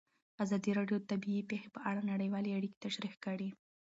ازادي راډیو د طبیعي پېښې په اړه نړیوالې اړیکې تشریح کړي.